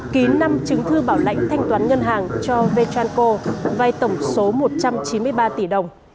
ký năm chứng thư bảo lãnh thanh toán ngân hàng cho vechal po vai tổng số một trăm chín mươi ba tỷ đồng